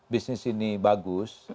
bisnis ini bagus